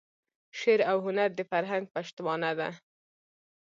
شعر او هنر د فرهنګ پشتوانه ده.